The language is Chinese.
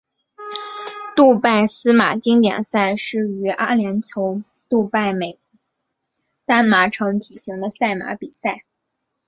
杜拜司马经典赛是于阿联酋杜拜美丹马场举行的赛马比赛。